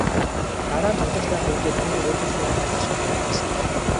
Дараа нь тоглож байх үедээ түүнийг өөдөөс минь харан зогсож байхыг анзаарсан билээ.